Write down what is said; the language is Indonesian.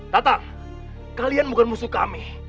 tata kalian bukan musuh kami